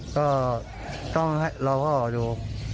ก็ต้องรอพ่อดู